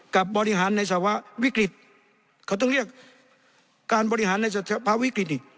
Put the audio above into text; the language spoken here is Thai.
บริหารในสภาวะวิกฤตเขาต้องเรียกการบริหารในภาวิกฤตอีก